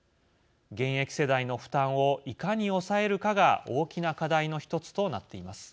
現役世代の負担をいかに抑えるかが大きな課題の一つとなっています。